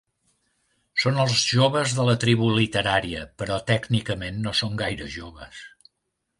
Són els joves de la tribu literària, però tècnicament no són gaire joves.